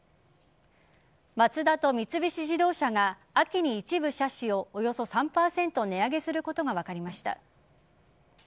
マツダと三菱自動車が秋に一部車種をおよそ３％値上げすることが分かりました。